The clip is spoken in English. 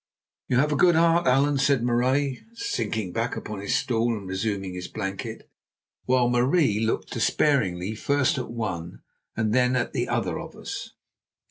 "You have a good heart, Allan," said Marais, sinking back upon his stool and resuming his blanket, while Marie looked despairingly first at one and then at the other of us.